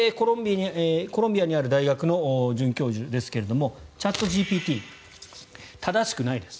コロンビアにある大学の准教授ですがチャットＧＰＴは正しくないです。